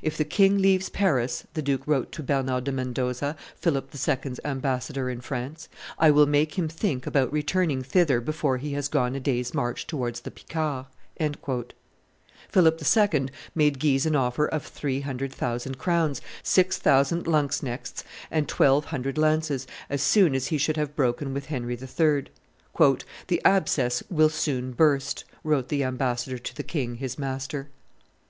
"If the king leaves Paris," the duke wrote to Bernard de Mendoza, Philip II.'s ambassador in France, "I will make him think about returning thither before he has gone a day's march towards the Picards." Philip II. made Guise an offer of three hundred thousand crowns, six thousand lanzknechts, and twelve hundred lances, as soon as he should have broken with Henry III. "The abscess will soon burst," wrote the ambassador to the king his master.